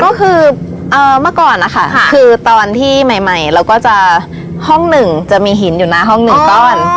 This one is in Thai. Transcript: ก็คือเมื่อก่อนนะคะคือตอนที่ใหม่เราก็จะห้องหนึ่งจะมีหินอยู่หน้าห้องหนึ่งก้อน